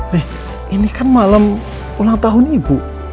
beh ini kan malam ulang tahun ibu